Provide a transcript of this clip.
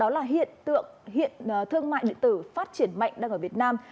đã đề cập đến bài viết đó là hiện tượng thương mại điện tử phát triển mạnh đang ở việt nam